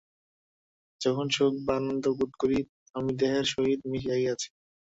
যখন সুখ বা আনন্দ বোধ করি, আমি দেহের সহিত মিশিয়া গিয়াছি।